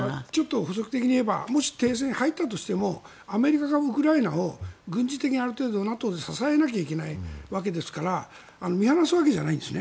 補足的に言えばもし停戦に入ったとしてもアメリカがウクライナを軍事的にある程度、ＮＡＴＯで支えなければいけないわけですから見放すわけじゃないんですね。